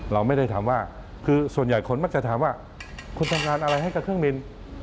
เราไม่ได้ถามว่าคือส่วนใหญ่คนมักจะถามว่าคุณทำงานอะไรให้กับเครื่องบิน